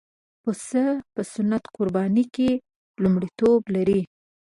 پسه په سنت قربانۍ کې لومړیتوب لري.